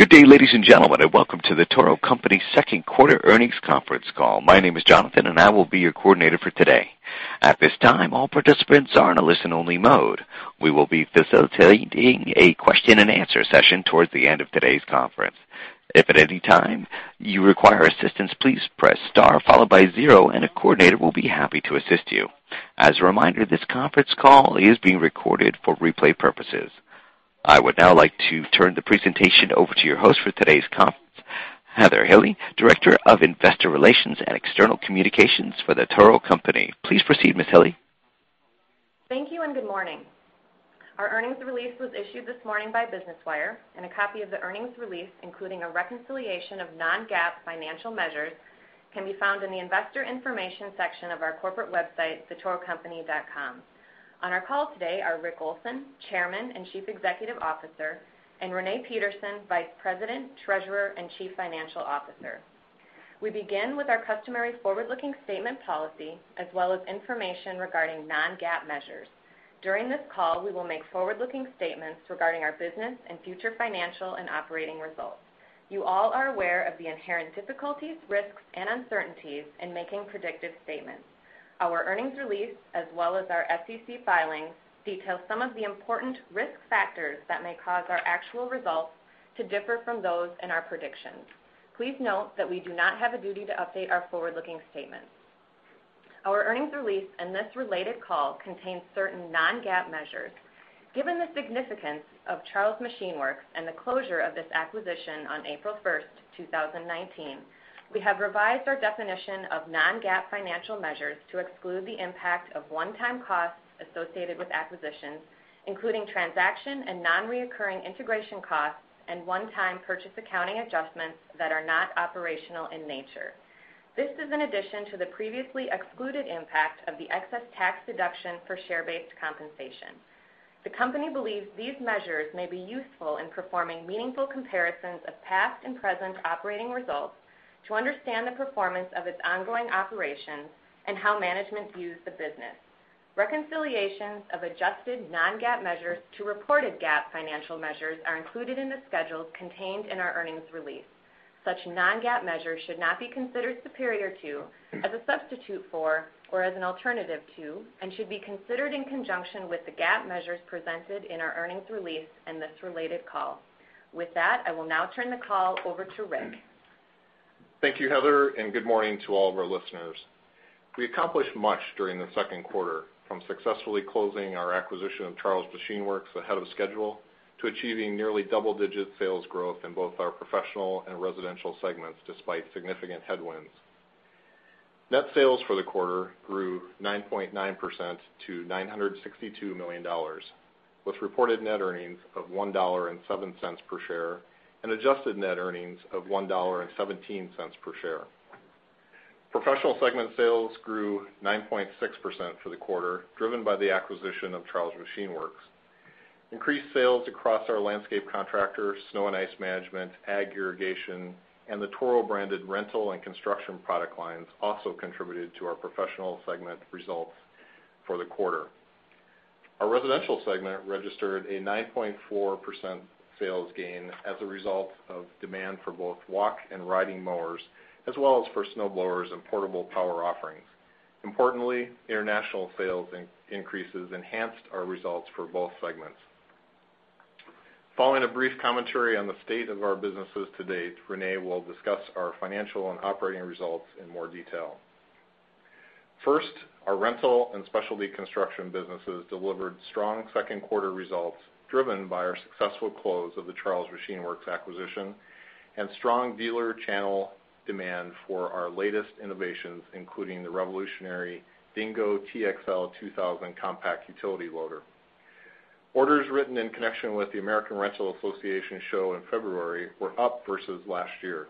Good day, ladies and gentlemen, and welcome to The Toro Company's second quarter earnings conference call. My name is Jonathan, and I will be your coordinator for today. At this time, all participants are in a listen-only mode. We will be facilitating a question and answer session towards the end of today's conference. If at any time you require assistance, please press star followed by zero, and a coordinator will be happy to assist you. As a reminder, this conference call is being recorded for replay purposes. I would now like to turn the presentation over to your host for today's conference, Heather Hille, Director of Investor Relations and External Communications for The Toro Company. Please proceed, Ms. Hille. Thank you, and good morning. Our earnings release was issued this morning by Business Wire, and a copy of the earnings release, including a reconciliation of non-GAAP financial measures, can be found in the Investor Information section of our corporate website, thetorocompany.com. On our call today are Rick Olson, Chairman and Chief Executive Officer, and Renee Peterson, Vice President, Treasurer, and Chief Financial Officer. We begin with our customary forward-looking statement policy, as well as information regarding non-GAAP measures. During this call, we will make forward-looking statements regarding our business and future financial and operating results. You all are aware of the inherent difficulties, risks, and uncertainties in making predictive statements. Our earnings release, as well as our SEC filings, detail some of the important risk factors that may cause our actual results to differ from those in our predictions. Please note that we do not have a duty to update our forward-looking statements. Our earnings release and this related call contain certain non-GAAP measures. Given the significance of Charles Machine Works and the closure of this acquisition on April 1st, 2019, we have revised our definition of non-GAAP financial measures to exclude the impact of one-time costs associated with acquisitions, including transaction and non-reoccurring integration costs and one-time purchase accounting adjustments that are not operational in nature. This is in addition to the previously excluded impact of the excess tax deduction for share-based compensation. The company believes these measures may be useful in performing meaningful comparisons of past and present operating results to understand the performance of its ongoing operations and how management views the business. Reconciliations of adjusted non-GAAP measures to reported GAAP financial measures are included in the schedules contained in our earnings release. Such non-GAAP measures should not be considered superior to, as a substitute for, or as an alternative to, and should be considered in conjunction with the GAAP measures presented in our earnings release and this related call. With that, I will now turn the call over to Rick. Thank you, Heather, and good morning to all of our listeners. We accomplished much during the second quarter, from successfully closing our acquisition of Charles Machine Works ahead of schedule to achieving nearly double-digit sales growth in both our Professional and Residential Segments despite significant headwinds. Net sales for the quarter grew 9.9% to $962 million, with reported net earnings of $1.07 per share and adjusted net earnings of $1.17 per share. Professional Segment sales grew 9.6% for the quarter, driven by the acquisition of Charles Machine Works. Increased sales across our landscape contractors, snow and ice management, ag irrigation, and the Toro-branded rental and construction product lines also contributed to our Professional Segment results for the quarter. Our Residential Segment registered a 9.4% sales gain as a result of demand for both walk and riding mowers, as well as for snowblowers and portable power offerings. Importantly, international sales increases enhanced our results for both segments. Following a brief commentary on the state of our businesses to date, Renee will discuss our financial and operating results in more detail. First, our rental and specialty construction businesses delivered strong second quarter results, driven by our successful close of the Charles Machine Works acquisition and strong dealer channel demand for our latest innovations, including the revolutionary Dingo TXL 2000 compact utility loader. Orders written in connection with the American Rental Association show in February were up versus last year.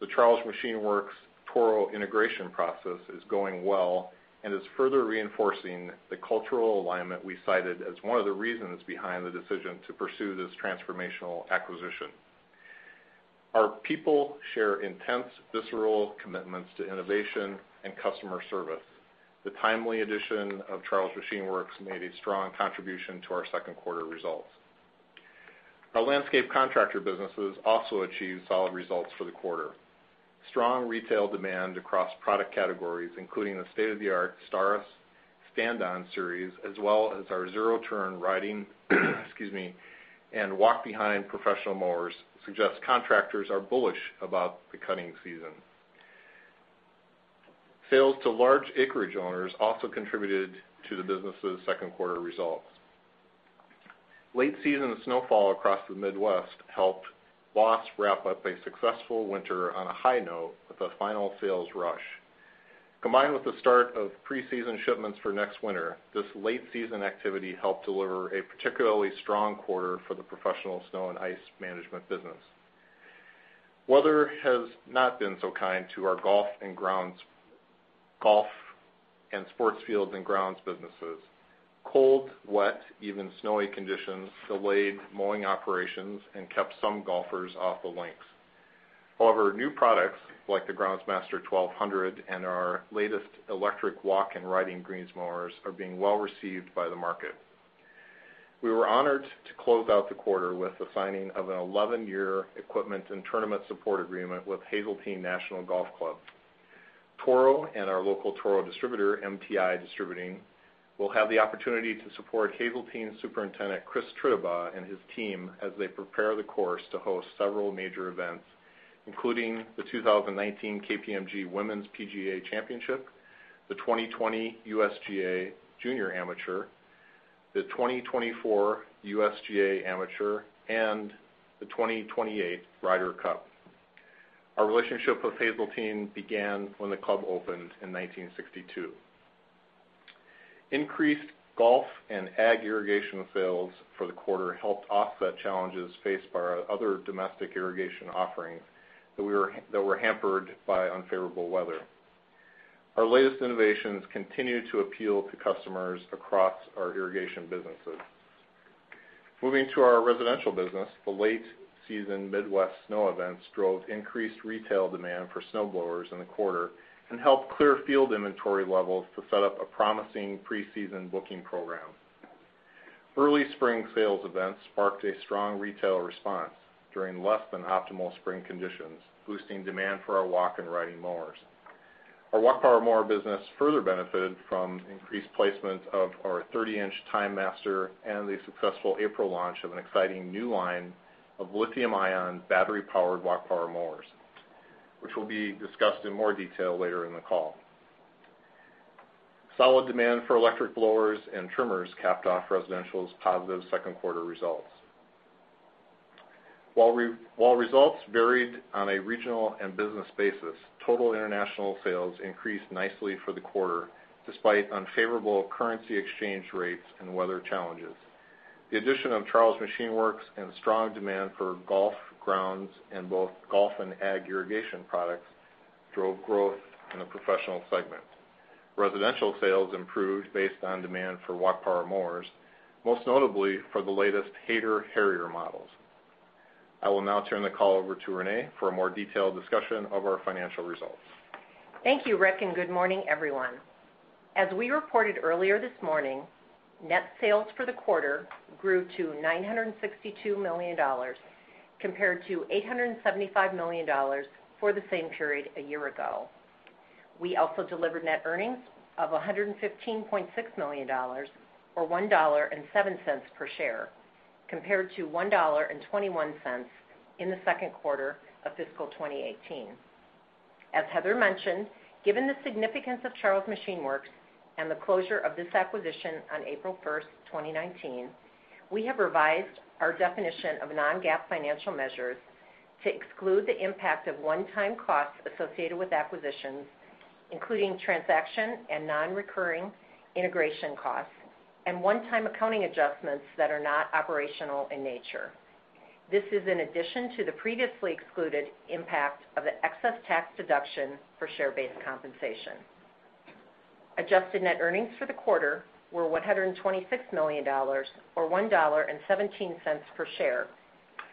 The Charles Machine Works Toro integration process is going well and is further reinforcing the cultural alignment we cited as one of the reasons behind the decision to pursue this transformational acquisition. Our people share intense visceral commitments to innovation and customer service. The timely addition of Charles Machine Works made a strong contribution to our second quarter results. Our landscape contractor businesses also achieved solid results for the quarter. Strong retail demand across product categories, including the state-of-the-art Staris stand-on series, as well as our zero-turn riding and walk behind professional mowers suggest contractors are bullish about the cutting season. Sales to large acreage owners also contributed to the business' second quarter results. Late season snowfall across the Midwest helped BOSS wrap up a successful winter on a high note with a final sales rush. Combined with the start of pre-season shipments for next winter, this late season activity helped deliver a particularly strong quarter for the professional snow and ice management business. Weather has not been so kind to our golf and sports field and grounds businesses. Cold, wet, even snowy conditions delayed mowing operations and kept some golfers off the links. However, new products like the GroundsMaster 1200 and our latest electric walk and riding greens mowers are being well received by the market. We were honored to close out the quarter with the signing of an 11-year equipment and tournament support agreement with Hazeltine National Golf Club. Toro and our local Toro distributor, MTI Distributing, will have the opportunity to support Hazeltine superintendent, Chris Tritabaugh, and his team as they prepare the course to host several major events, including the 2019 KPMG Women's PGA Championship, the 2020 U.S. Junior Amateur, the 2024 U.S. Amateur, and the 2028 Ryder Cup. Our relationship with Hazeltine began when the club opened in 1962. Increased golf and ag irrigation sales for the quarter helped offset challenges faced by our other domestic irrigation offerings that were hampered by unfavorable weather. Our latest innovations continue to appeal to customers across our irrigation businesses. Moving to our residential business, the late-season Midwest snow events drove increased retail demand for snowblowers in the quarter and helped clear field inventory levels to set up a promising pre-season booking program. Early spring sales events sparked a strong retail response during less than optimal spring conditions, boosting demand for our walk and riding mowers. Our walk power mower business further benefited from increased placements of our 30-inch TimeMaster and the successful April launch of an exciting new line of lithium-ion battery-powered walk power mowers, which will be discussed in more detail later in the call. Solid demand for electric blowers and trimmers capped off residential's positive second quarter results. While results varied on a regional and business basis, total international sales increased nicely for the quarter, despite unfavorable currency exchange rates and weather challenges. The addition of Charles Machine Works and strong demand for golf grounds and both golf and ag irrigation products drove growth in the professional segment. Residential sales improved based on demand for walk power mowers, most notably for the latest Hayter Harrier models. I will now turn the call over to Renee for a more detailed discussion of our financial results. Thank you, Rick, and good morning, everyone. As we reported earlier this morning, net sales for the quarter grew to $962 million compared to $875 million for the same period a year ago. We also delivered net earnings of $115.6 million or $1.07 per share, compared to $1.21 in the second quarter of fiscal 2018. As Heather mentioned, given the significance of Charles Machine Works and the closure of this acquisition on April 1st, 2019, we have revised our definition of non-GAAP financial measures to exclude the impact of one-time costs associated with acquisitions, including transaction and non-recurring integration costs and one-time accounting adjustments that are not operational in nature. This is in addition to the previously excluded impact of the excess tax deduction for share-based compensation. Adjusted net earnings for the quarter were $126 million or $1.17 per share,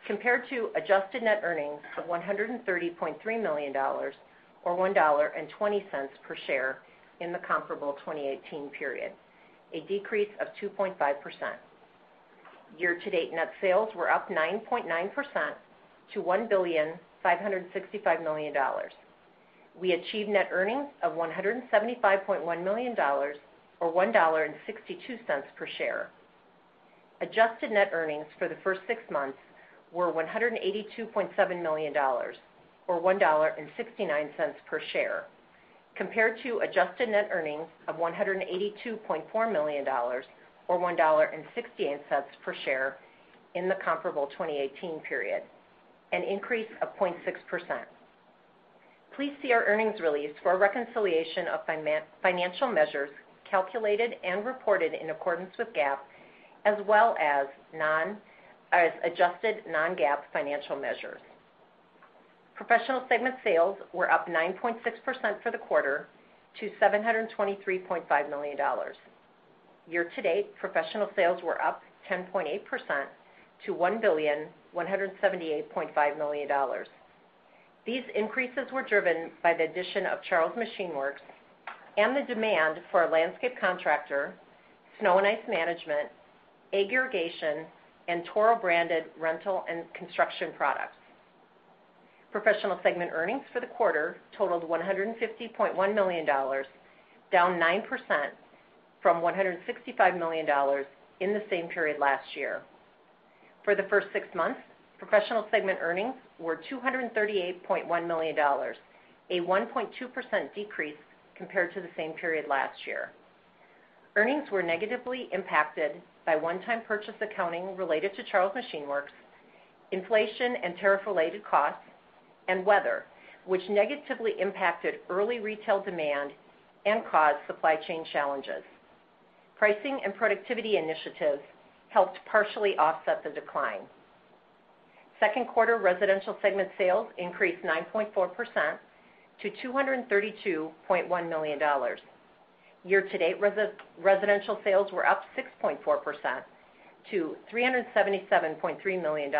compared to adjusted net earnings of $130.3 million or $1.20 per share in the comparable 2018 period, a decrease of 2.5%. Year-to-date net sales were up 9.9% to $1,565 million. We achieved net earnings of $175.1 million or $1.62 per share. Adjusted net earnings for the first six months were $182.7 million or $1.69 per share, compared to adjusted net earnings of $182.4 million or $1.68 per share in the comparable 2018 period, an increase of 0.6%. Please see our earnings release for a reconciliation of financial measures calculated and reported in accordance with GAAP as well as adjusted non-GAAP financial measures. Professional segment sales were up 9.6% for the quarter to $723.5 million. Year-to-date, Professional sales were up 10.8% to $1,178.5 million. These increases were driven by the addition of Charles Machine Works and the demand for our landscape contractor, snow and ice management, ag irrigation, and Toro-branded rental and construction products. Professional segment earnings for the quarter totaled $150.1 million, down 9% from $165 million in the same period last year. For the first six months, Professional segment earnings were $238.1 million, a 1.2% decrease compared to the same period last year. Earnings were negatively impacted by one-time purchase accounting related to Charles Machine Works, inflation and tariff-related costs, and weather, which negatively impacted early retail demand and caused supply chain challenges. Pricing and productivity initiatives helped partially offset the decline. Second quarter Residential segment sales increased 9.4% to $232.1 million. Year-to-date Residential sales were up 6.4% to $377.3 million.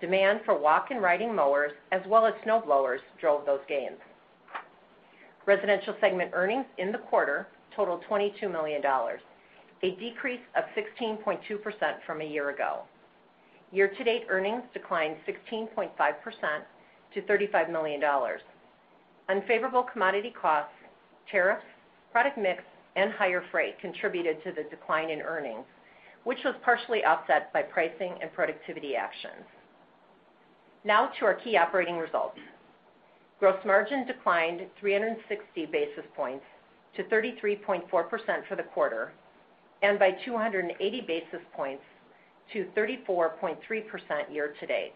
Demand for walk and riding mowers as well as snowblowers drove those gains. Residential segment earnings in the quarter totaled $22 million, a decrease of 16.2% from a year ago. Year-to-date earnings declined 16.5% to $35 million. Unfavorable commodity costs, tariffs, product mix, and higher freight contributed to the decline in earnings, which was partially offset by pricing and productivity actions. To our key operating results. Gross margin declined 360 basis points to 33.4% for the quarter and by 280 basis points to 34.3% year-to-date.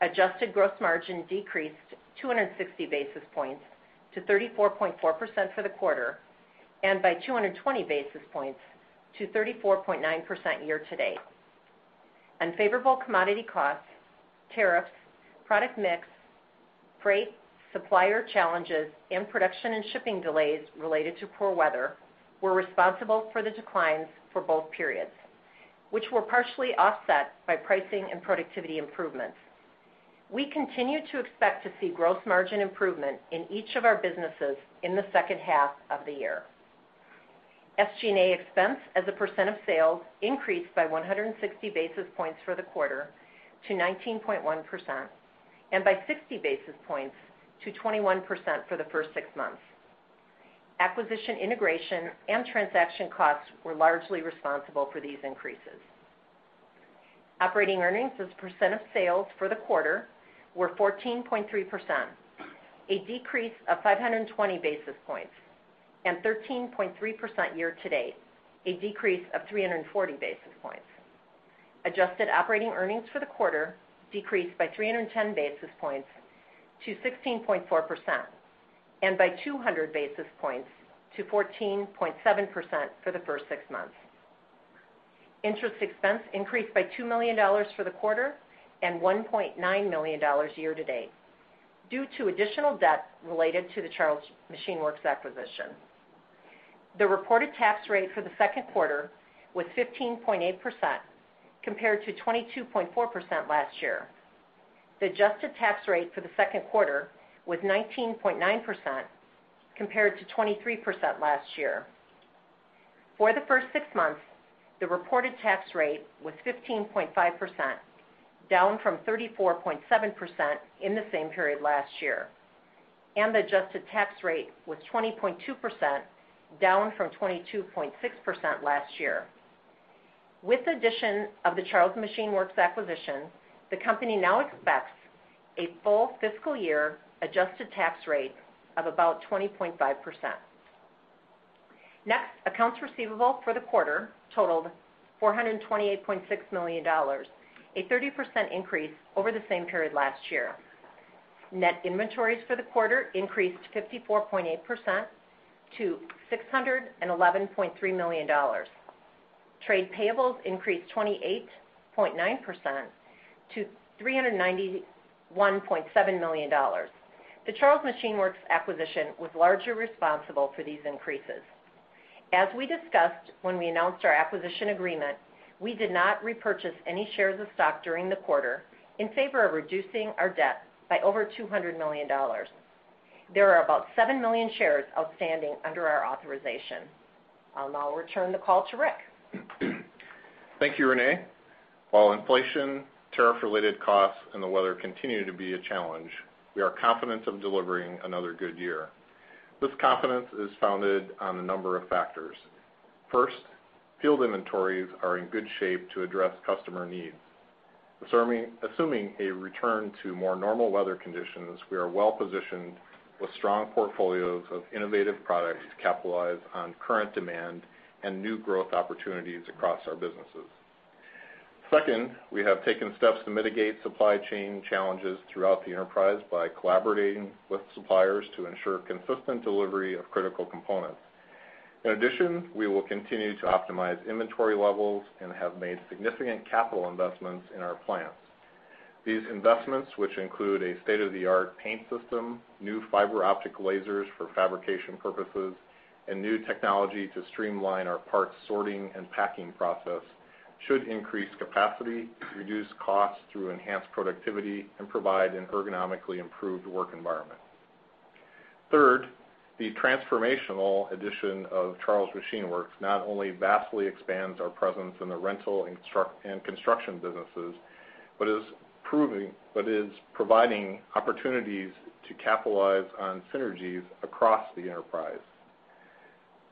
Adjusted gross margin decreased 260 basis points to 34.4% for the quarter and by 220 basis points to 34.9% year-to-date. Unfavorable commodity costs, tariffs, product mix, freight, supplier challenges, and production and shipping delays related to poor weather were responsible for the declines for both periods, which were partially offset by pricing and productivity improvements. We continue to expect to see gross margin improvement in each of our businesses in the second half of the year. SG&A expense as a percent of sales increased by 160 basis points for the quarter to 19.1% and by 60 basis points to 21% for the first six months. Acquisition integration and transaction costs were largely responsible for these increases. Operating earnings as a percent of sales for the quarter were 14.3%, a decrease of 520 basis points and 13.3% year-to-date, a decrease of 340 basis points. Adjusted operating earnings for the quarter decreased by 310 basis points to 16.4% and by 200 basis points to 14.7% for the first six months. Interest expense increased by $2 million for the quarter and $1.9 million year-to-date due to additional debt related to the Charles Machine Works acquisition. The reported tax rate for the second quarter was 15.8%, compared to 22.4% last year. The adjusted tax rate for the second quarter was 19.9%, compared to 23% last year. For the first six months, the reported tax rate was 15.5%, down from 34.7% in the same period last year, and the adjusted tax rate was 20.2%, down from 22.6% last year. With the addition of the Charles Machine Works acquisition, the company now expects a full fiscal year adjusted tax rate of about 20.5%. Next, accounts receivable for the quarter totaled $428.6 million, a 30% increase over the same period last year. Net inventories for the quarter increased 54.8% to $611.3 million. Trade payables increased 28.9% to $391.7 million. The Charles Machine Works acquisition was largely responsible for these increases. As we discussed when we announced our acquisition agreement, we did not repurchase any shares of stock during the quarter in favor of reducing our debt by over $200 million. There are about seven million shares outstanding under our authorization. I'll now return the call to Rick. Thank you, Renee. While inflation, tariff-related costs, and the weather continue to be a challenge, we are confident of delivering another good year. This confidence is founded on a number of factors. First, field inventories are in good shape to address customer needs. Assuming a return to more normal weather conditions, we are well-positioned with strong portfolios of innovative products to capitalize on current demand and new growth opportunities across our businesses. In addition, we will continue to optimize inventory levels and have made significant capital investments in our plants. These investments, which include a state-of-the-art paint system, new fiber optic lasers for fabrication purposes, and new technology to streamline our parts sorting and packing process, should increase capacity, reduce costs through enhanced productivity, and provide an ergonomically improved work environment. Third, the transformational addition of Charles Machine Works not only vastly expands our presence in the rental and construction businesses, but is providing opportunities to capitalize on synergies across the enterprise.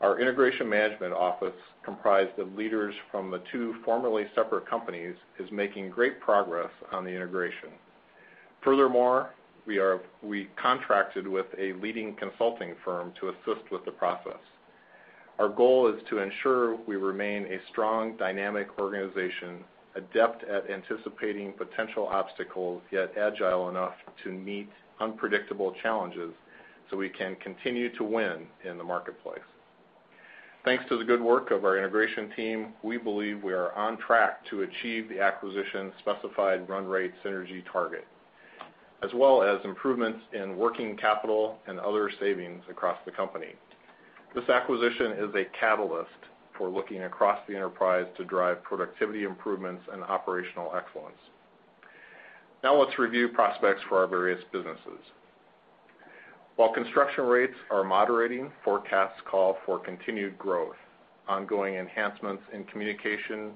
Our integration management office, comprised of leaders from the two formerly separate companies, is making great progress on the integration. Furthermore, we contracted with a leading consulting firm to assist with the process. Our goal is to ensure we remain a strong, dynamic organization, adept at anticipating potential obstacles, yet agile enough to meet unpredictable challenges so we can continue to win in the marketplace. Thanks to the good work of our integration team, we believe we are on track to achieve the acquisition's specified run rate synergy target, as well as improvements in working capital and other savings across the company. This acquisition is a catalyst for looking across the enterprise to drive productivity improvements and operational excellence. Now let's review prospects for our various businesses. While construction rates are moderating, forecasts call for continued growth, ongoing enhancements in communication,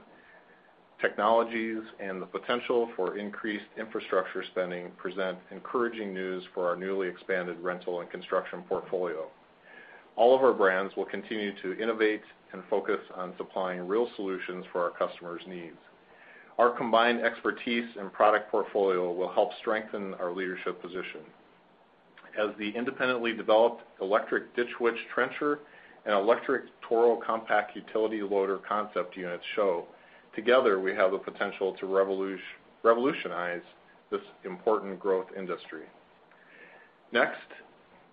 technologies, and the potential for increased infrastructure spending present encouraging news for our newly expanded rental and construction portfolio. All of our brands will continue to innovate and focus on supplying real solutions for our customers' needs. Our combined expertise and product portfolio will help strengthen our leadership position. As the independently developed electric Ditch Witch trencher and electric Toro compact utility loader concept units show, together, we have the potential to revolutionize this important growth industry.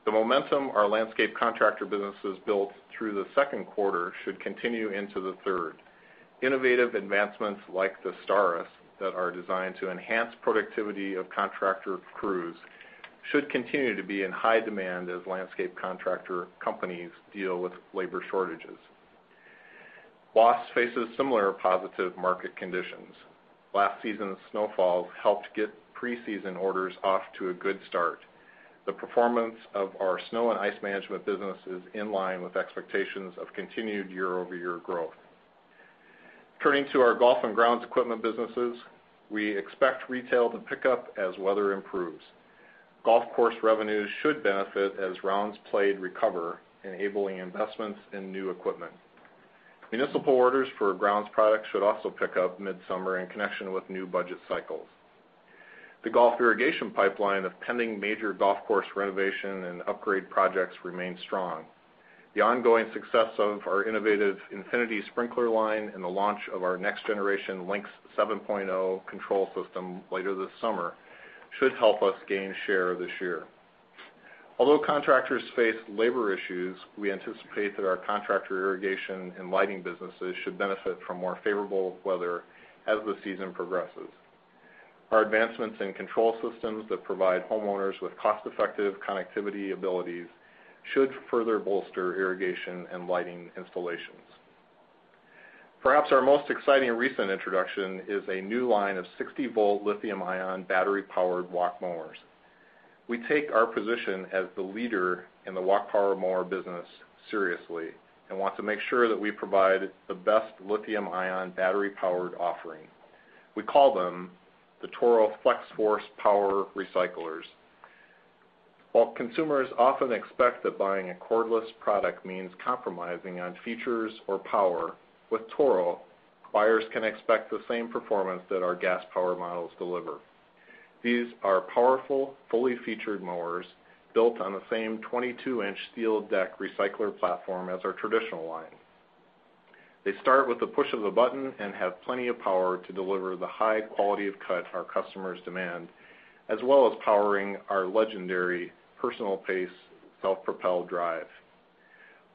The momentum our landscape contractor businesses built through the second quarter should continue into the third. Innovative advancements like the Staris that are designed to enhance productivity of contractor crews should continue to be in high demand as landscape contractor companies deal with labor shortages. BOSS faces similar positive market conditions. Last season's snowfall helped get pre-season orders off to a good start. The performance of our snow and ice management business is in line with expectations of continued year-over-year growth. Turning to our golf and grounds equipment businesses, we expect retail to pick up as weather improves. Golf course revenues should benefit as rounds played recover, enabling investments in new equipment. Municipal orders for grounds products should also pick up mid-summer in connection with new budget cycles. The golf irrigation pipeline of pending major golf course renovation and upgrade projects remains strong. The ongoing success of our innovative INFINITY Sprinkler line and the launch of our next-generation Lynx 7.0 control system later this summer should help us gain share this year. Although contractors face labor issues, we anticipate that our contractor irrigation and lighting businesses should benefit from more favorable weather as the season progresses. Our advancements in control systems that provide homeowners with cost-effective connectivity abilities should further bolster irrigation and lighting installations. Perhaps our most exciting recent introduction is a new line of 60-volt lithium-ion battery-powered walk mowers. We take our position as the leader in the walk power mower business seriously and want to make sure that we provide the best lithium-ion battery-powered offering. We call them the Toro Flex-Force Power Recyclers. While consumers often expect that buying a cordless product means compromising on features or power, with Toro, buyers can expect the same performance that our gas-powered models deliver. These are powerful, fully featured mowers built on the same 22-inch steel deck recycler platform as our traditional line. They start with the push of a button and have plenty of power to deliver the high quality of cut our customers demand, as well as powering our legendary Personal Pace self-propelled drive.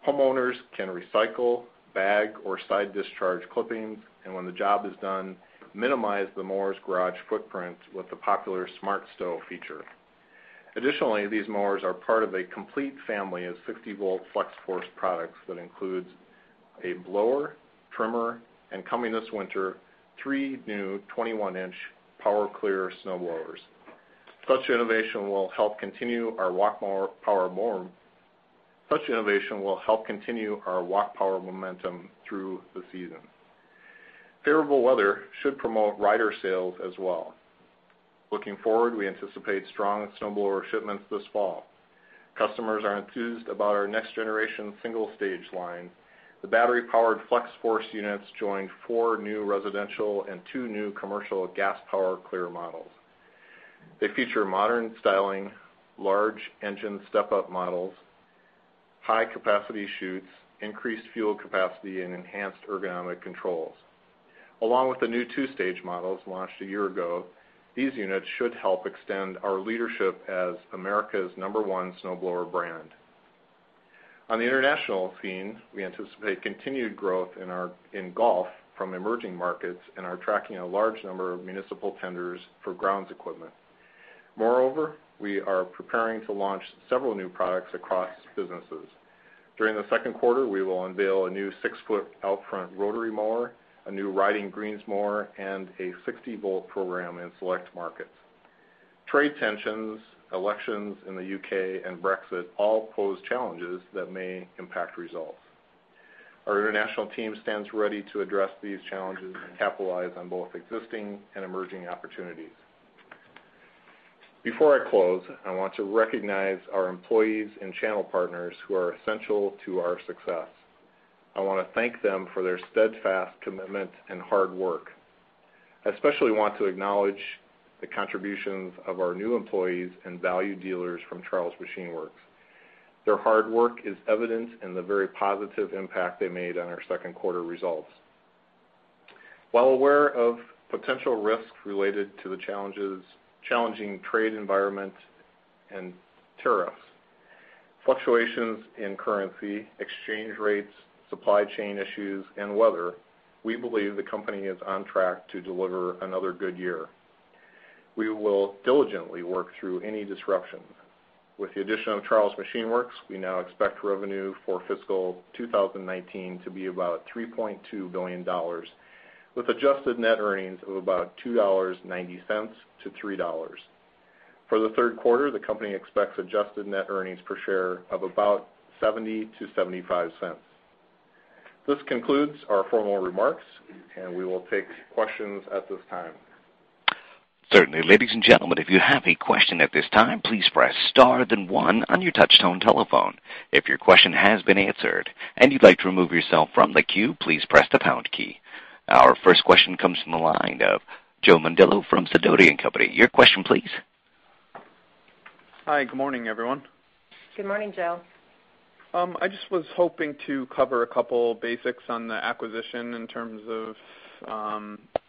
Homeowners can recycle, bag, or side discharge clippings, and when the job is done, minimize the mower's garage footprint with the popular SmartStow feature. These mowers are part of a complete family of 60-volt Flex-Force products that includes a blower, trimmer, and coming this winter, three new 21-inch Power Clear snowblowers. Such innovation will help continue our walk power momentum through the season. Favorable weather should promote rider sales as well. Looking forward, we anticipate strong snowblower shipments this fall. Customers are enthused about our next-generation single-stage line. The battery-powered Flex-Force units join four new residential and two new commercial gas Power Clear models. They feature modern styling, large engine step-up models, high-capacity chutes, increased fuel capacity, and enhanced ergonomic controls. Along with the new two-stage models launched a year ago, these units should help extend our leadership as America's number one snowblower brand. On the international scene, we anticipate continued growth in golf from emerging markets and are tracking a large number of municipal tenders for grounds equipment. Moreover, we are preparing to launch several new products across businesses. During the second quarter, we will unveil a new six-foot Outfront rotary mower, a new riding greens mower, and a 60-volt program in select markets. Trade tensions, elections in the U.K., and Brexit all pose challenges that may impact results. Our international team stands ready to address these challenges and capitalize on both existing and emerging opportunities. Before I close, I want to recognize our employees and channel partners who are essential to our success. I want to thank them for their steadfast commitment and hard work. I especially want to acknowledge the contributions of our new employees and valued dealers from Charles Machine Works. Their hard work is evident in the very positive impact they made on our second quarter results. While aware of potential risks related to the challenging trade environment and tariffs, fluctuations in currency, exchange rates, supply chain issues, and weather, we believe the company is on track to deliver another good year. We will diligently work through any disruption. With the addition of Charles Machine Works, we now expect revenue for fiscal 2019 to be about $3.2 billion, with adjusted net earnings of about $2.90 to $3.00. For the third quarter, the company expects adjusted net earnings per share of about $0.70 to $0.75. This concludes our formal remarks. We will take questions at this time. Certainly. Ladies and gentlemen, if you have a question at this time, please press star then one on your touch tone telephone. If your question has been answered and you'd like to remove yourself from the queue, please press the pound key. Our first question comes from the line of Joe Mondillo from Sidoti & Company. Your question please. Hi, good morning, everyone. Good morning, Joe. I just was hoping to cover a couple basics on the acquisition in terms of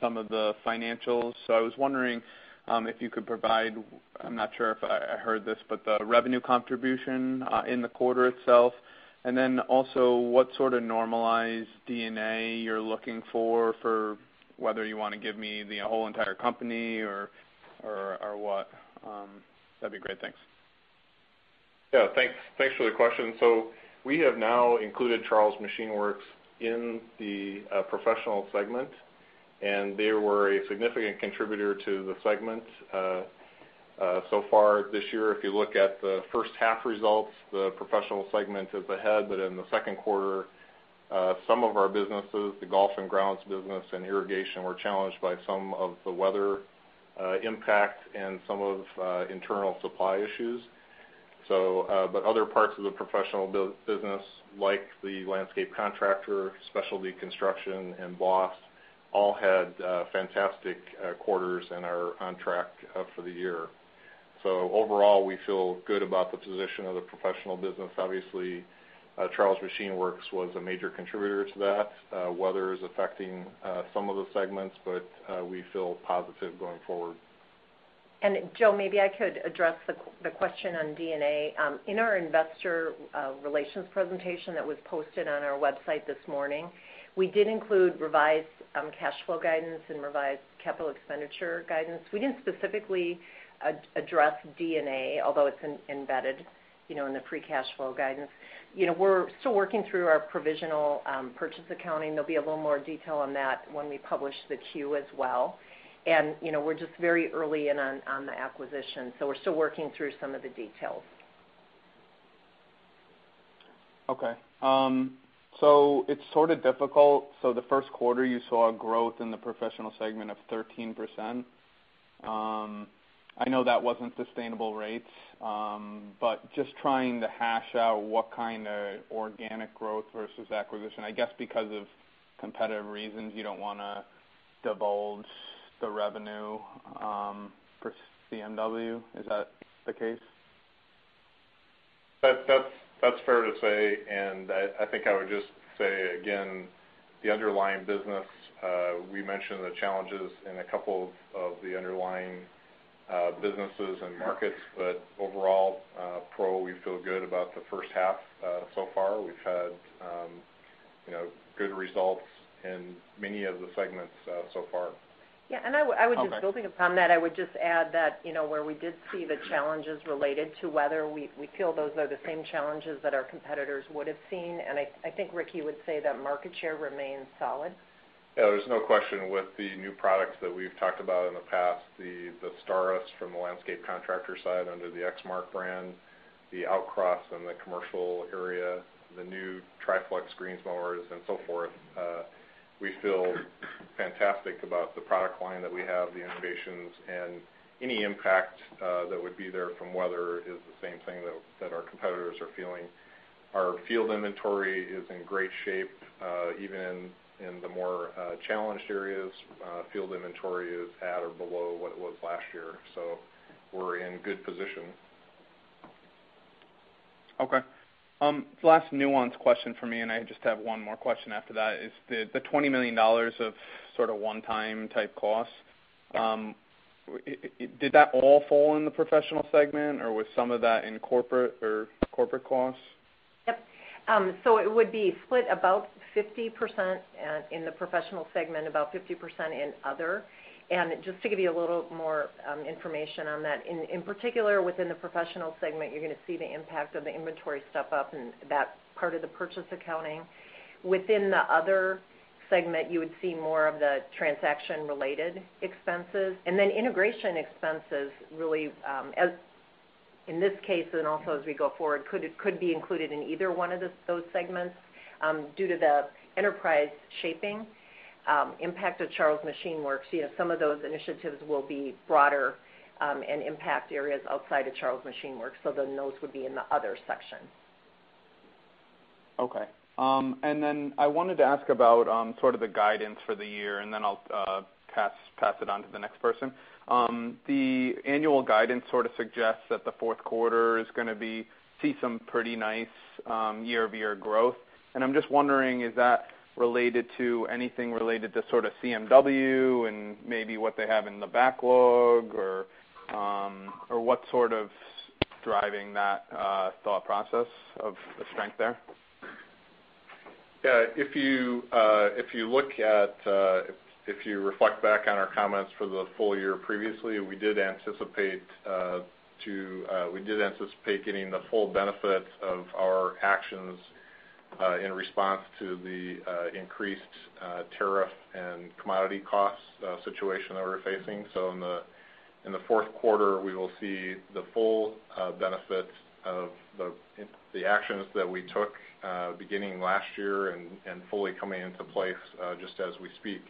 some of the financials. I was wondering if you could provide, I'm not sure if I heard this, but the revenue contribution in the quarter itself, then also what sort of normalized D&A you're looking for whether you want to give me the whole entire company or what. That'd be great. Thanks. Yeah. Thanks for the question. We have now included Charles Machine Works in the Professional segment, and they were a significant contributor to the segment. Far this year, if you look at the first half results, the Professional segment is ahead, in the second quarter, some of our businesses, the golf and grounds business and irrigation, were challenged by some of the weather impact and some of internal supply issues. Other parts of the professional business, like the landscape contractor, specialty construction, and BOSS, all had fantastic quarters and are on track for the year. Overall, we feel good about the position of the Professional business. Obviously, Charles Machine Works was a major contributor to that. Weather is affecting some of the segments, we feel positive going forward. Joe, maybe I could address the question on D&A. In our investor relations presentation that was posted on our website this morning, we did include revised cash flow guidance and revised capital expenditure guidance. We didn't specifically address D&A, although it's embedded in the free cash flow guidance. We're still working through our provisional purchase accounting. There'll be a little more detail on that when we publish the Q as well. We're just very early in on the acquisition, we're still working through some of the details. It's sort of difficult. The first quarter, you saw a growth in the professional segment of 13%. I know that wasn't sustainable rates. Just trying to hash out what kind of organic growth versus acquisition. I guess because of competitive reasons, you don't want to divulge the revenue for CMW. Is that the case? That's fair to say. I think I would just say again, the underlying business, we mentioned the challenges in a couple of the underlying businesses and markets. Overall, pro, we feel good about the first half so far. We've had good results in many of the segments so far. Yeah. I would just building upon that, I would just add that where we did see the challenges related to weather, we feel those are the same challenges that our competitors would've seen. I think Rick would say that market share remains solid. Yeah, there's no question with the new products that we've talked about in the past, the Staris from the landscape contractor side under the Exmark brand, the Outcross in the commercial area, the new TriFlex green mowers and so forth. We feel fantastic about the product line that we have, the innovations, and any impact that would be there from weather is the same thing that our competitors are feeling. Our field inventory is in great shape. Even in the more challenged areas, field inventory is at or below what it was last year. We're in good position. Okay. Last nuance question from me, I just have one more question after that, is the $20 million of sort of one-time type cost, did that all fall in the Professional Segment, or was some of that in corporate or corporate costs? Yep. It would be split about 50% in the Professional Segment, about 50% in other. Just to give you a little more information on that, in particular within the Professional Segment, you're going to see the impact of the inventory step up and that part of the purchase accounting. Within the other segment, you would see more of the transaction-related expenses. Integration expenses really, in this case and also as we go forward, could be included in either one of those segments due to the enterprise shaping impact of Charles Machine Works. Some of those initiatives will be broader and impact areas outside of Charles Machine Works, those would be in the other section. Okay. I wanted to ask about sort of the guidance for the year, I'll pass it on to the next person. The annual guidance sort of suggests that the fourth quarter is going to see some pretty nice year-over-year growth. I'm just wondering, is that related to anything related to sort of CMW and maybe what they have in the backlog or what's sort of driving that thought process of the strength there? Yeah. If you reflect back on our comments for the full year previously, we did anticipate getting the full benefit of our actions, in response to the increased tariff and commodity costs situation that we're facing. In the fourth quarter, we will see the full benefits of the actions that we took, beginning last year and fully coming into place, just as we speak.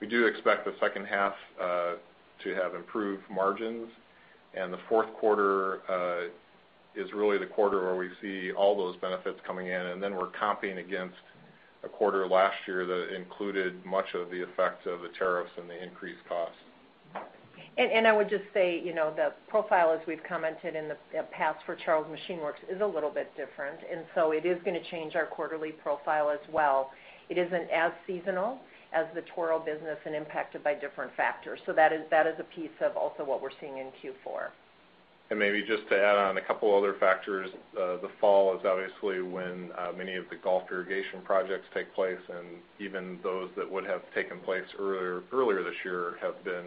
We do expect the second half to have improved margins. The fourth quarter is really the quarter where we see all those benefits coming in, and then we're comping against a quarter last year that included much of the effect of the tariffs and the increased costs. I would just say, the profile as we've commented in the past for Charles Machine Works is a little bit different, it is going to change our quarterly profile as well. It isn't as seasonal as the Toro business and impacted by different factors. That is a piece of also what we're seeing in Q4. Maybe just to add on a couple other factors, the fall is obviously when many of the golf irrigation projects take place, and even those that would have taken place earlier this year have been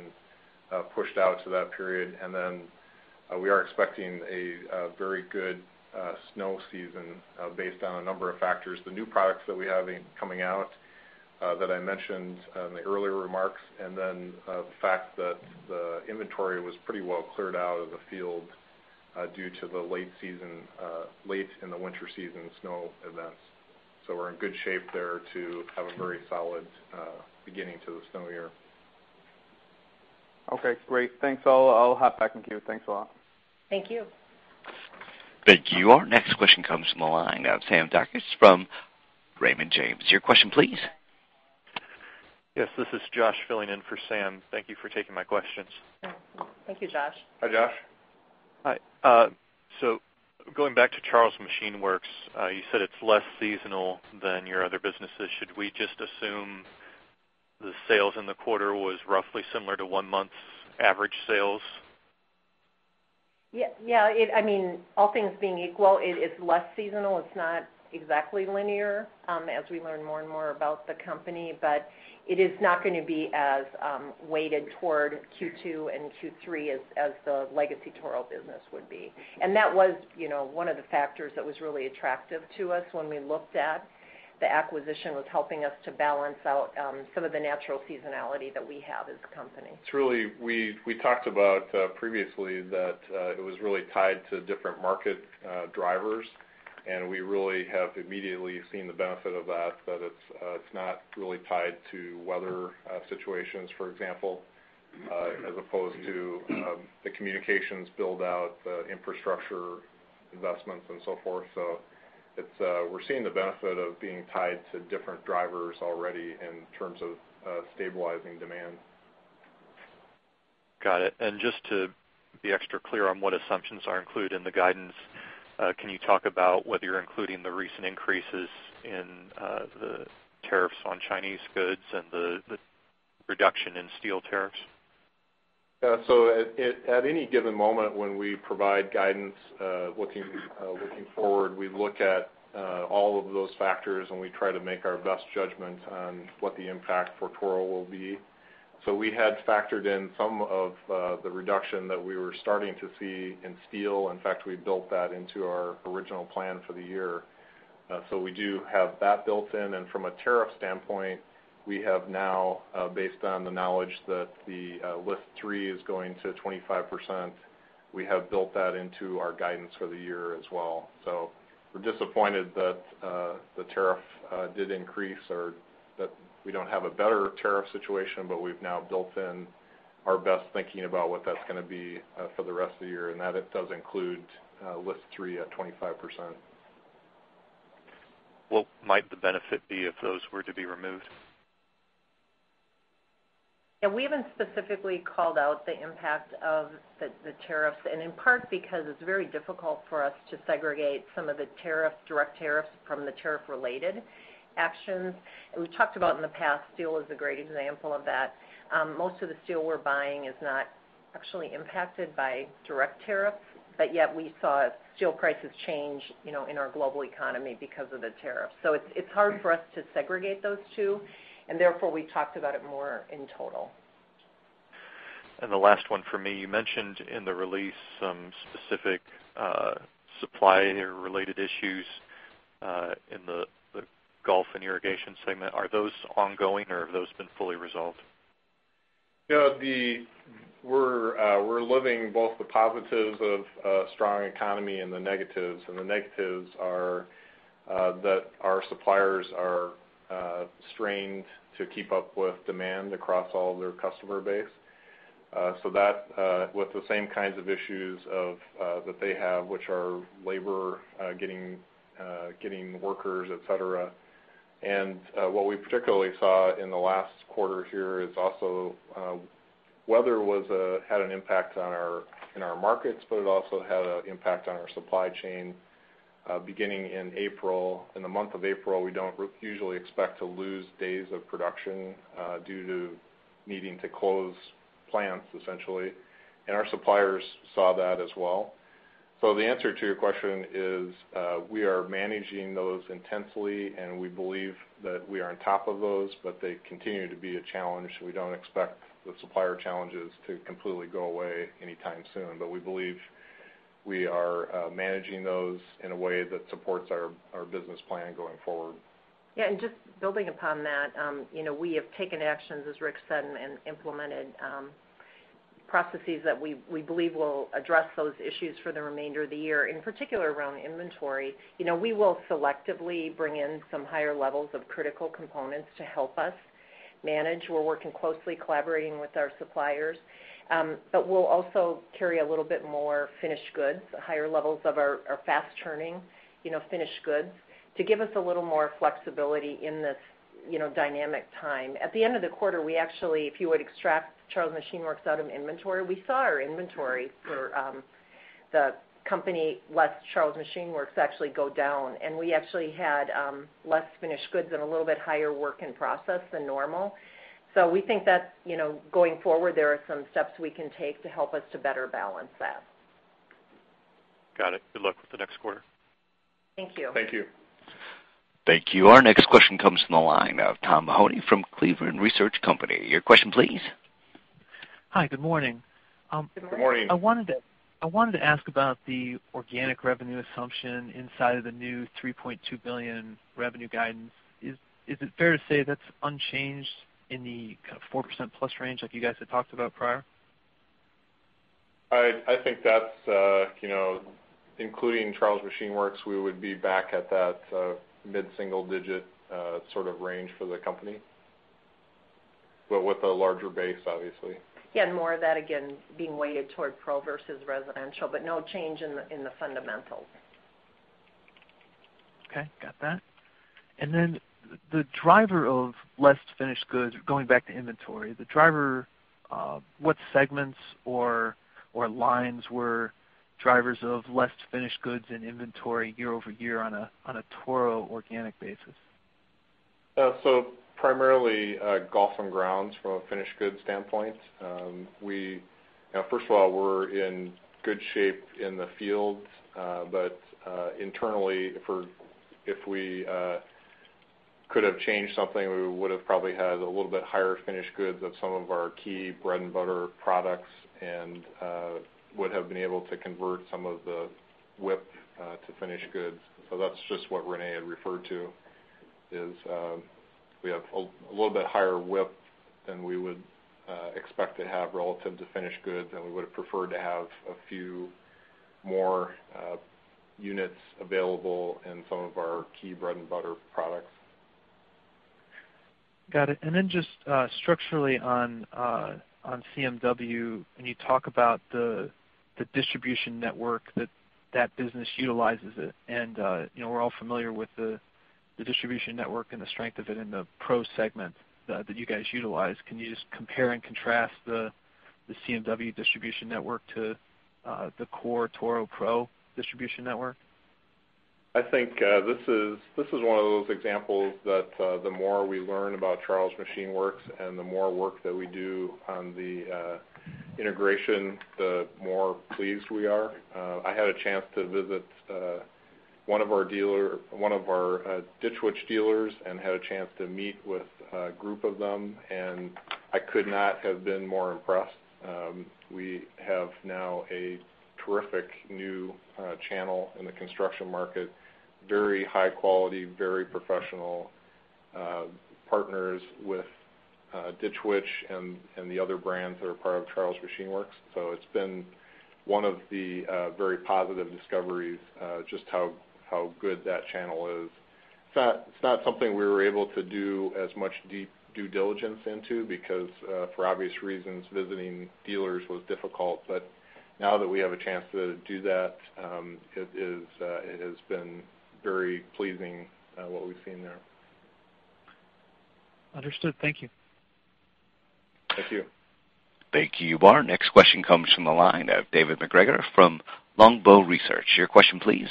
pushed out to that period. Then, we are expecting a very good snow season based on a number of factors, the new products that we have coming out, that I mentioned in the earlier remarks. Then, the fact that the inventory was pretty well cleared out of the field, due to the late in the winter season snow events. We're in good shape there to have a very solid beginning to the snow year. Okay, great. Thanks. I'll hop back in queue. Thanks a lot. Thank you. Thank you. Our next question comes from the line of Sam Darkatsh from Raymond James & Associates. Your question, please. Yes, this is Josh filling in for Sam. Thank you for taking my questions. Thank you, Josh. Hi, Josh. Hi. Going back to Charles Machine Works, you said it's less seasonal than your other businesses. Should we just assume the sales in the quarter was roughly similar to one month's average sales? All things being equal, it is less seasonal. It's not exactly linear, as we learn more and more about the company, but it is not going to be as weighted toward Q2 and Q3 as the legacy Toro business would be. That was one of the factors that was really attractive to us when we looked at the acquisition, was helping us to balance out some of the natural seasonality that we have as a company. We talked about previously that it was really tied to different market drivers. We really have immediately seen the benefit of that, but it's not really tied to weather situations, for example, as opposed to the communications build-out, the infrastructure investments and so forth. We're seeing the benefit of being tied to different drivers already in terms of stabilizing demand. Got it. Just to be extra clear on what assumptions are included in the guidance, can you talk about whether you're including the recent increases in the tariffs on Chinese goods and the reduction in steel tariffs? At any given moment when we provide guidance looking forward, we look at all of those factors, and we try to make our best judgment on what the impact for Toro will be. We had factored in some of the reduction that we were starting to see in steel. In fact, we built that into our original plan for the year. We do have that built in. From a tariff standpoint, we have now, based on the knowledge that the List 3 is going to 25%, we have built that into our guidance for the year as well. We're disappointed that the tariff did increase or that we don't have a better tariff situation, but we've now built in our best thinking about what that's going to be for the rest of the year. That does include List 3 at 25%. What might the benefit be if those were to be removed? Yeah. We haven't specifically called out the impact of the tariffs, in part because it's very difficult for us to segregate some of the direct tariffs from the tariff-related actions. We've talked about in the past, steel is a great example of that. Most of the steel we're buying is not actually impacted by direct tariffs, but yet we saw steel prices change in our global economy because of the tariffs. It's hard for us to segregate those two, and therefore, we talked about it more in total. The last one from me. You mentioned in the release some specific supplier-related issues in the golf and irrigation segment. Are those ongoing, or have those been fully resolved? We're living both the positives of a strong economy and the negatives. The negatives are that our suppliers are strained to keep up with demand across all their customer base. That, with the same kinds of issues that they have, which are labor, getting workers, et cetera. What we particularly saw in the last quarter here is also weather had an impact in our markets, but it also had an impact on our supply chain, beginning in April. In the month of April, we don't usually expect to lose days of production due to needing to close plants, essentially, and our suppliers saw that as well. The answer to your question is we are managing those intensely, and we believe that we are on top of those, but they continue to be a challenge. We don't expect the supplier challenges to completely go away anytime soon. We believe we are managing those in a way that supports our business plan going forward. Just building upon that. We have taken actions, as Rick said, and implemented processes that we believe will address those issues for the remainder of the year, in particular around inventory. We will selectively bring in some higher levels of critical components to help us manage. We're working closely, collaborating with our suppliers. We'll also carry a little bit more finished goods, higher levels of our fast-turning finished goods, to give us a little more flexibility in this dynamic time. At the end of the quarter, if you would extract Charles Machine Works out of inventory, we saw our inventory for the company, less Charles Machine Works, actually go down, and we actually had less finished goods and a little bit higher work in process than normal. We think that going forward, there are some steps we can take to help us to better balance that. Got it. Good luck with the next quarter. Thank you. Thank you. Thank you. Our next question comes from the line of Tom Mahoney from Cleveland Research Company. Your question please. Hi, good morning. Good morning. Good morning. I wanted to ask about the organic revenue assumption inside of the new $3.2 billion revenue guidance. Is it fair to say that's unchanged in the 4%+ range like you guys had talked about prior? I think that's including Charles Machine Works, we would be back at that mid-single digit sort of range for the company. With a larger base, obviously. Yeah. More of that, again, being weighted toward pro versus residential, but no change in the fundamentals. Okay. Got that. The driver of less finished goods, going back to inventory, what segments or lines were drivers of less finished goods and inventory year-over-year on a Toro organic basis? Primarily Golf and Grounds from a finished goods standpoint. First of all, we're in good shape in the field. Internally, if we could have changed something, we would've probably had a little bit higher finished goods of some of our key bread-and-butter products and would have been able to convert some of the WIP to finished goods. That's just what Renee had referred to is we have a little bit higher WIP than we would expect to have relative to finished goods, and we would've preferred to have a few more units available in some of our key bread-and-butter products. Got it. Just structurally on CMW, when you talk about the distribution network that that business utilizes it, and we're all familiar with the distribution network and the strength of it in the pro segment that you guys utilize. Can you just compare and contrast the CMW distribution network to the core Toro pro distribution network? I think this is one of those examples that the more we learn about Charles Machine Works and the more work that we do on the integration, the more pleased we are. I had a chance to visit one of our Ditch Witch dealers and had a chance to meet with a group of them, and I could not have been more impressed. We have now a terrific new channel in the construction market, very high quality, very professional partners with Ditch Witch and the other brands that are part of Charles Machine Works. It's been one of the very positive discoveries just how good that channel is. It's not something we were able to do as much deep due diligence into because, for obvious reasons, visiting dealers was difficult. Now that we have a chance to do that, it has been very pleasing what we've seen there. Understood. Thank you. Thank you. Thank you. Our next question comes from the line of David MacGregor from Longbow Research. Your question, please.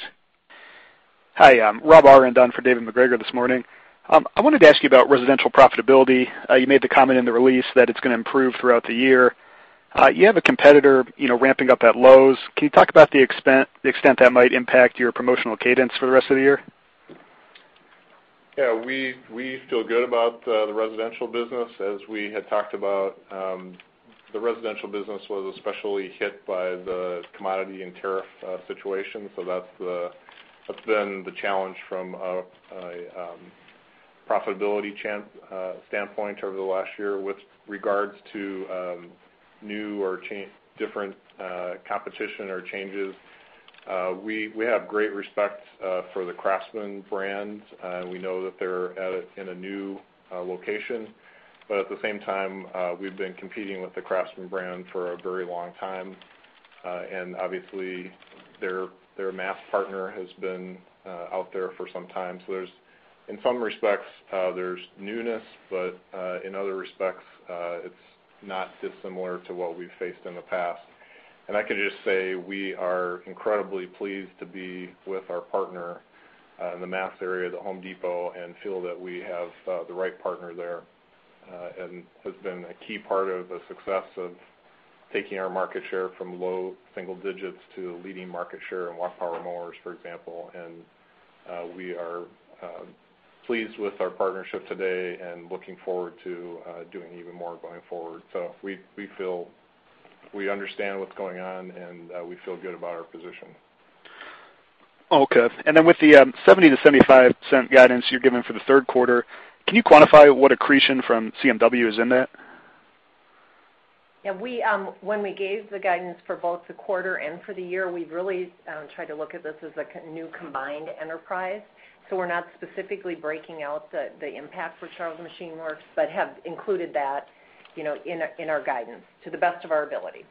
Hi, Rob Cerda-Guzman for David MacGregor this morning. I wanted to ask you about residential profitability. You made the comment in the release that it's going to improve throughout the year. You have a competitor ramping up at Lowe's. Can you talk about the extent that might impact your promotional cadence for the rest of the year? We feel good about the residential business. As we had talked about, the residential business was especially hit by the commodity and tariff situation, so that's been the challenge from a profitability standpoint over the last year. With regards to new or different competition or changes, we have great respect for the Craftsman brand. We know that they're in a new location. At the same time, we've been competing with the Craftsman brand for a very long time. Obviously, their mass partner has been out there for some time. In some respects, there's newness, but in other respects, it's not dissimilar to what we've faced in the past. I can just say, we are incredibly pleased to be with our partner in the mass area, The Home Depot, and feel that we have the right partner there, and has been a key part of the success of taking our market share from low single digits to leading market share in walk power mowers, for example. We are pleased with our partnership today and looking forward to doing even more going forward. We understand what's going on, and we feel good about our position. Okay. With the 70%-75% guidance you're giving for the third quarter, can you quantify what accretion from CMW is in that? When we gave the guidance for both the quarter and for the year, we really tried to look at this as a new combined enterprise. We're not specifically breaking out the impact for Charles Machine Works, but have included that in our guidance to the best of our ability.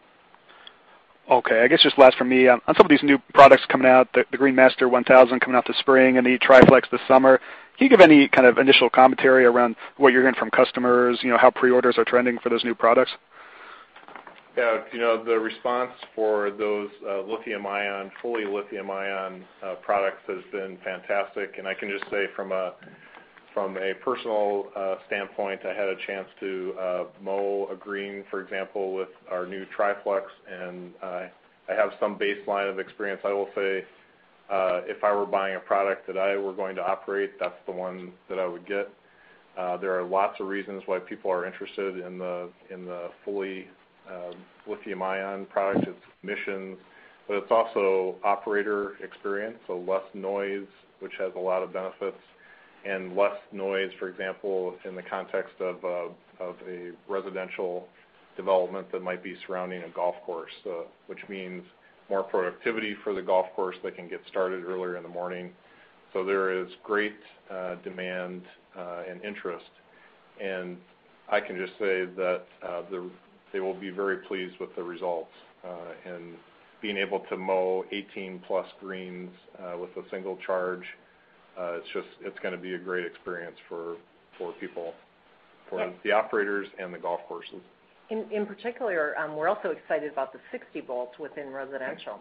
Okay. I guess just last from me, on some of these new products coming out, the Greensmaster 1000 coming out this spring and the TriFlex this summer, can you give any kind of initial commentary around what you're hearing from customers, how pre-orders are trending for those new products? Yeah. The response for those fully lithium-ion products has been fantastic, and I can just say from a personal standpoint, I had a chance to mow a green, for example, with our new TriFlex, and I have some baseline of experience. I will say, if I were buying a product that I were going to operate, that's the one that I would get. There are lots of reasons why people are interested in the fully lithium-ion product. It's emissions, but it's also operator experience, less noise, which has a lot of benefits. Less noise, for example, in the context of a residential development that might be surrounding a golf course, which means more productivity for the golf course. They can get started earlier in the morning. There is great demand and interest. I can just say that they will be very pleased with the results. Being able to mow 18-plus greens with a single charge, it's going to be a great experience for people, for the operators and the golf courses. In particular, we are also excited about the 60 volt within residential.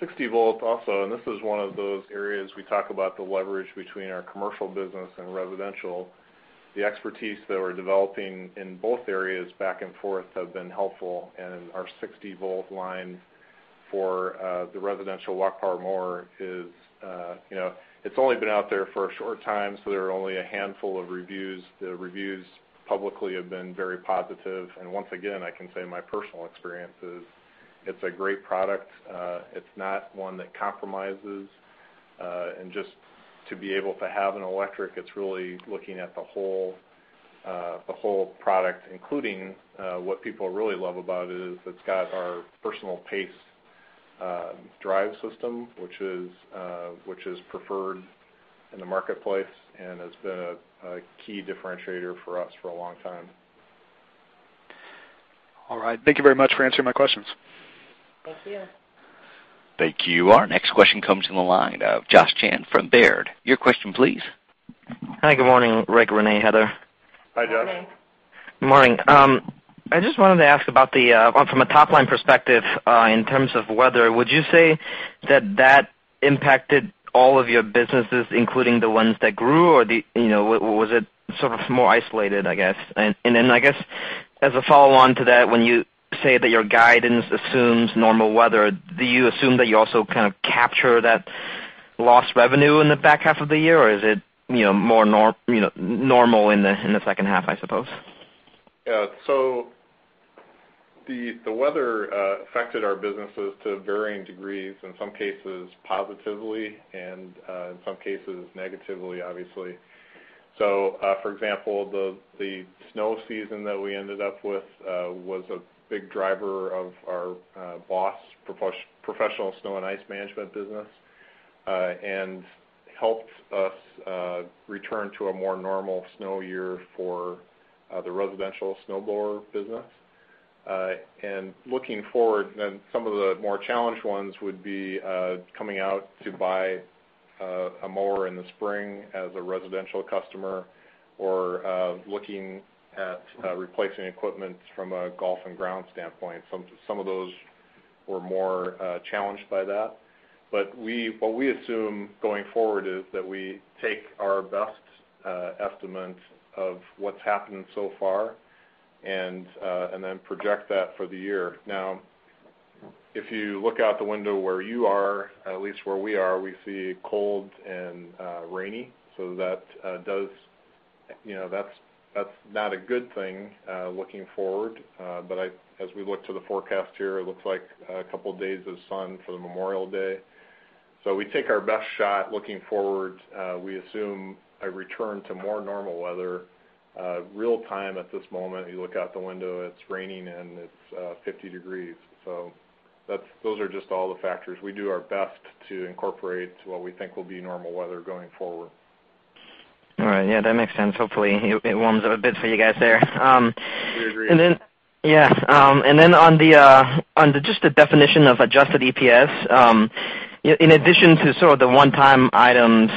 60 volt also, this is one of those areas we talk about the leverage between our commercial business and residential. The expertise that we are developing in both areas back and forth have been helpful, and our 60-volt line for the residential walk power mower, it has only been out there for a short time, so there are only a handful of reviews. The reviews publicly have been very positive. Once again, I can say my personal experience is it is a great product. It is not one that compromises. Just to be able to have an electric, it is really looking at the whole product, including what people really love about it is it has got our Personal Pace drive system, which is preferred in the marketplace and has been a key differentiator for us for a long time. All right. Thank you very much for answering my questions. Thank you. Thank you. Our next question comes from the line of Josh Chan from Baird. Your question, please. Hi. Good morning, Rick, Renee, Heather. Hi, Josh. Good morning. Good morning. I just wanted to ask about from a top-line perspective, in terms of weather, would you say that that impacted all of your businesses, including the ones that grew, or was it sort of more isolated, I guess? I guess as a follow-on to that, when you say that your guidance assumes normal weather, do you assume that you also kind of capture that lost revenue in the back half of the year, or is it more normal in the second half, I suppose? Yeah. The weather affected our businesses to varying degrees, in some cases positively and in some cases negatively, obviously. For example, the snow season that we ended up with was a big driver of our BOSS Professional Snow and Ice Management business, and helped us return to a more normal snow year for the residential snowblower business. Looking forward, some of the more challenged ones would be coming out to buy a mower in the spring as a residential customer or looking at replacing equipment from a golf and grounds standpoint. Some of those were more challenged by that. What we assume going forward is that we take our best estimate of what's happened so far and then project that for the year. If you look out the window where you are, at least where we are, we see cold and rainy. That's not a good thing looking forward. As we look to the forecast here, it looks like a couple days of sun for Memorial Day. We take our best shot looking forward. We assume a return to more normal weather. Real-time at this moment, you look out the window, it's raining and it's 50 degrees. Those are just all the factors. We do our best to incorporate what we think will be normal weather going forward. All right. Yeah, that makes sense. Hopefully, it warms up a bit for you guys there. We agree. Yeah. On just the definition of adjusted EPS, in addition to sort of the one-time items,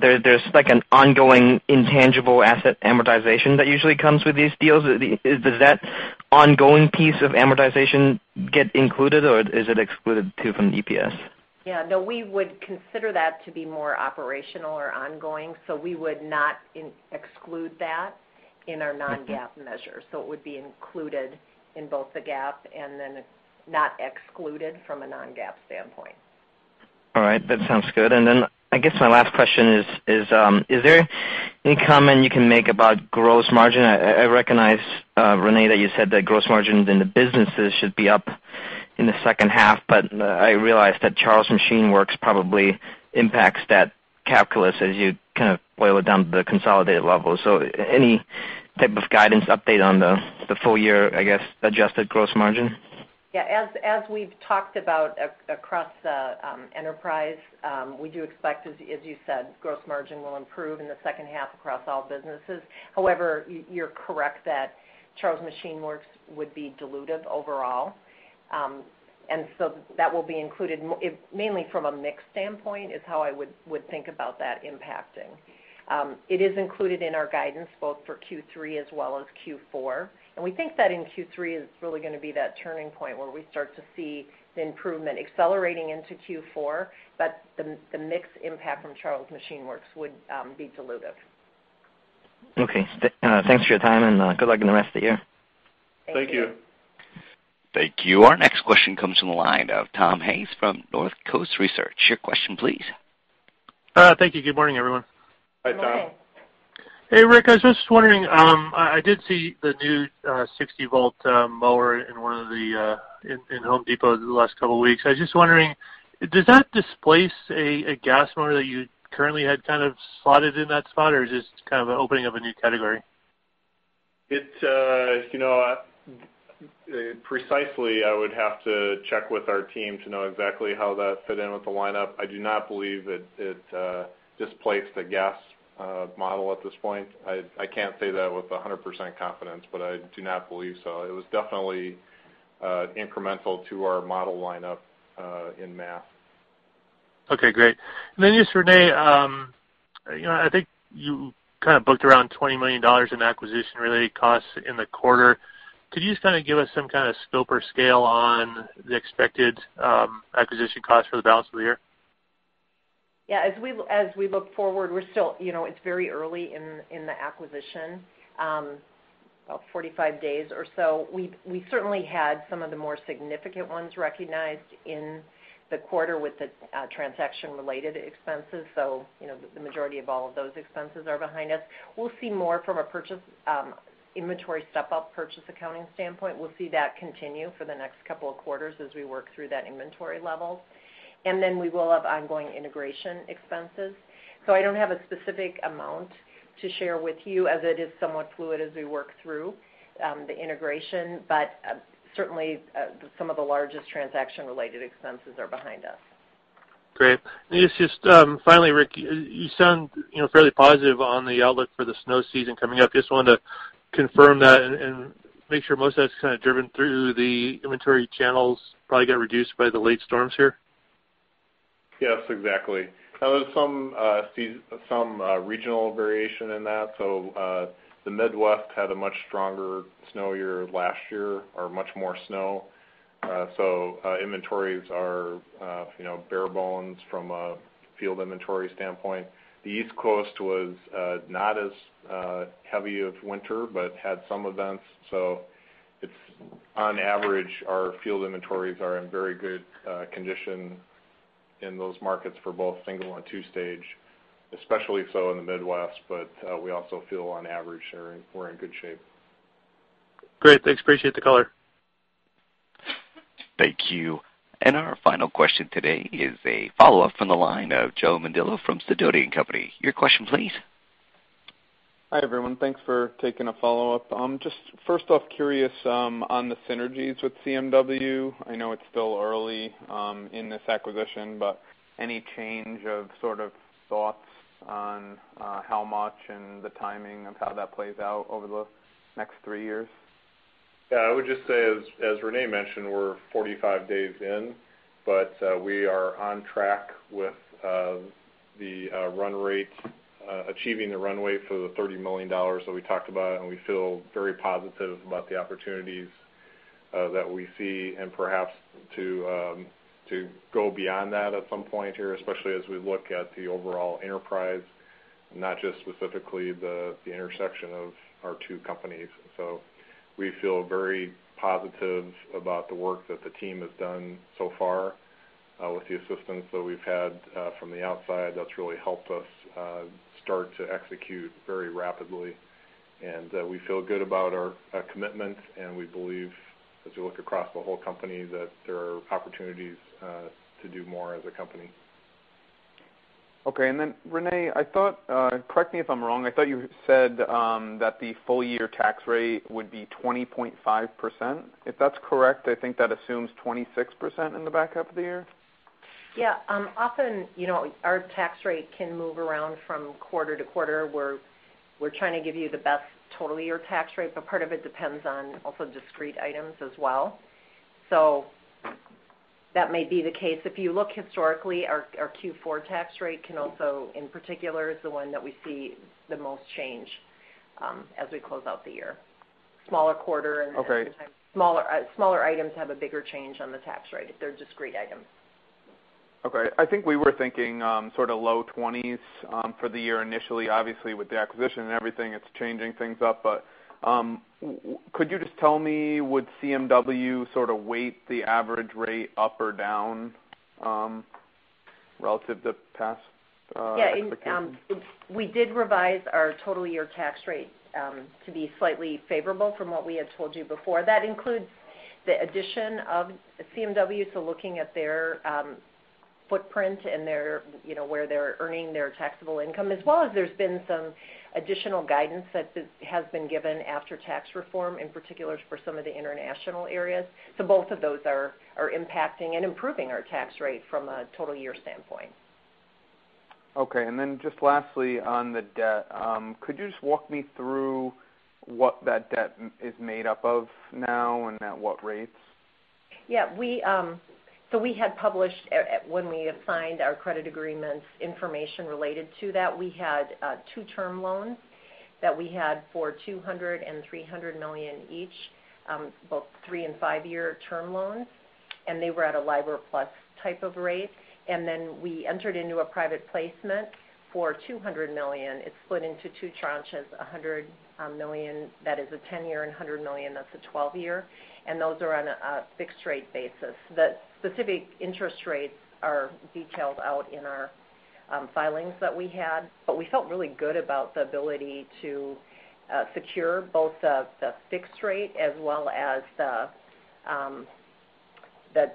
there's an ongoing intangible asset amortization that usually comes with these deals. Does that ongoing piece of amortization get included, or is it excluded too from the EPS? We would consider that to be more operational or ongoing, we would not exclude that in our non-GAAP measures. It would be included in both the GAAP and then not excluded from a non-GAAP standpoint. All right. That sounds good. I guess my last question is: Is there any comment you can make about gross margin? I recognize, Renee, that you said that gross margins in the businesses should be up in the second half, but I realize that Charles Machine Works probably impacts that calculus as you kind of boil it down to the consolidated level. Any type of guidance update on the full year, I guess, adjusted gross margin? Yeah. As we've talked about across the enterprise, we do expect, as you said, gross margin will improve in the second half across all businesses. However, you're correct that Charles Machine Works would be dilutive overall. That will be included mainly from a mix standpoint, is how I would think about that impacting. It is included in our guidance both for Q3 as well as Q4, and we think that in Q3 is really going to be that turning point where we start to see the improvement accelerating into Q4. The mix impact from Charles Machine Works would be dilutive. Okay. Thanks for your time and good luck in the rest of the year. Thank you. Thank you. Thank you. Our next question comes from the line of Tom Hayes from Northcoast Research. Your question, please. Thank you. Good morning, everyone. Hi, Tom. Good morning. Hey, Rick, I was just wondering, I did see the new 60-volt mower in The Home Depot the last couple of weeks. I was just wondering, does that displace a gas mower that you currently had kind of slotted in that spot, or is this kind of an opening of a new category? Precisely, I would have to check with our team to know exactly how that fit in with the lineup. I do not believe it displaced a gas model at this point. I can't say that with 100% confidence, but I do not believe so. It was definitely incremental to our model lineup in mass. Okay, great. Just, Renee, I think you kind of booked around $20 million in acquisition-related costs in the quarter. Could you just kind of give us some kind of scope or scale on the expected acquisition cost for the balance of the year? Yeah. As we look forward, it's very early in the acquisition, about 45 days or so. We certainly had some of the more significant ones recognized in the quarter with the transaction-related expenses. The majority of all of those expenses are behind us. We'll see more from an inventory step-up purchase accounting standpoint. We'll see that continue for the next couple of quarters as we work through that inventory level. We will have ongoing integration expenses. I don't have a specific amount to share with you as it is somewhat fluid as we work through the integration. But certainly, some of the largest transaction-related expenses are behind us. Great. Just finally, Rick, you sound fairly positive on the outlook for the snow season coming up. Just wanted to confirm that and make sure most of that's kind of driven through the inventory channels, probably got reduced by the late storms here? Yes, exactly. Now, there's some regional variation in that. The Midwest had a much stronger snow year last year, or much more snow. Inventories are bare bones from a field inventory standpoint. The East Coast was not as heavy of winter, but had some events. On average, our field inventories are in very good condition in those markets for both single and 2-stage, especially so in the Midwest, but we also feel on average we're in good shape. Great. Thanks. Appreciate the color. Thank you. Our final question today is a follow-up from the line of Joe Mondillo from Sidoti & Company. Your question, please. Hi, everyone. Thanks for taking a follow-up. Just first off, curious on the synergies with CMW. I know it's still early in this acquisition, but any change of sort of thoughts on how much and the timing of how that plays out over the next 3 years? I would just say, as Renee mentioned, we're 45 days in, but we are on track with achieving the run rate for the $30 million that we talked about, and we feel very positive about the opportunities that we see and perhaps to go beyond that at some point here, especially as we look at the overall enterprise, not just specifically the intersection of our two companies. We feel very positive about the work that the team has done so far with the assistance that we've had from the outside that's really helped us start to execute very rapidly. We feel good about our commitment, and we believe as we look across the whole company, that there are opportunities to do more as a company. Okay. Renee, correct me if I'm wrong. I thought you said that the full-year tax rate would be 20.5%. If that's correct, I think that assumes 26% in the back half of the year? Often, our tax rate can move around from quarter to quarter. We're trying to give you the best total year tax rate, but part of it depends on also discrete items as well. That may be the case. If you look historically, our Q4 tax rate can also, in particular, is the one that we see the most change as we close out the year. Okay smaller items have a bigger change on the tax rate if they're discrete items. Okay. I think we were thinking sort of low 20s for the year initially. Obviously, with the acquisition and everything, it's changing things up. Could you just tell me, would CMW sort of weight the average rate up or down relative to past expectations? Yeah. We did revise our total year tax rate to be slightly favorable from what we had told you before. That includes the addition of CMW, looking at their footprint and where they're earning their taxable income. As well as there's been some additional guidance that has been given after tax reform, in particular for some of the international areas. Both of those are impacting and improving our tax rate from a total year standpoint. Okay. Just lastly on the debt, could you just walk me through what that debt is made up of now and at what rates? We had published, when we assigned our credit agreements information related to that. We had two term loans that we had for $200 million and $300 million each, both three- and five-year term loans, and they were at a LIBOR-plus type of rate. Then we entered into a private placement for $200 million. It is split into two tranches, $100 million that is a 10-year and $100 million that is a 12-year, and those are on a fixed rate basis. The specific interest rates are detailed out in our filings that we had. We felt really good about the ability to secure both the fixed rate as well as the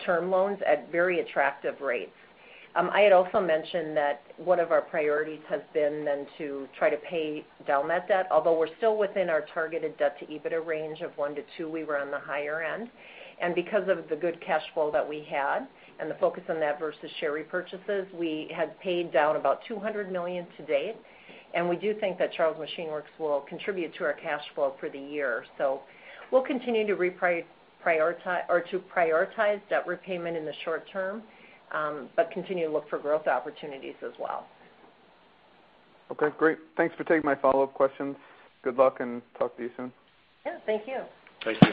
term loans at very attractive rates. I had also mentioned that one of our priorities has been then to try to pay down that debt. Although we are still within our targeted debt-to-EBITDA range of one to two, we were on the higher end. Because of the good cash flow that we had and the focus on that versus share repurchases, we had paid down about $200 million to date, and we do think that Charles Machine Works will contribute to our cash flow for the year. We will continue to prioritize debt repayment in the short term but continue to look for growth opportunities as well. Okay, great. Thanks for taking my follow-up questions. Good luck, and talk to you soon. Thank you. Thank you.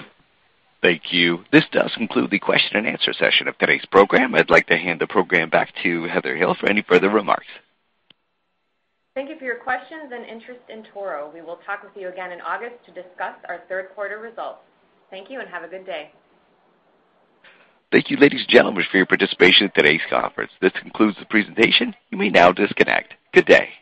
Thank you. This does conclude the question and answer session of today's program. I'd like to hand the program back to Heather Hille for any further remarks. Thank you for your questions and interest in Toro. We will talk with you again in August to discuss our third quarter results. Thank you, and have a good day. Thank you, ladies and gentlemen, for your participation in today's conference. This concludes the presentation. You may now disconnect. Good day.